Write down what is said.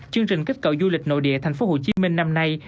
chương trình kích cầu du lịch nội địa thành phố hồ chí minh năm nay